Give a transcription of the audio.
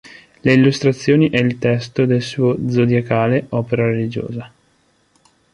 Le illustrazioni e il testo del suo "Zodiacale, opera religiosa.